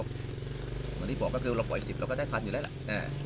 เหมือนที่บอกก็คือเราปล่อยสิบเราก็ได้พันอยู่แล้วล่ะอ่า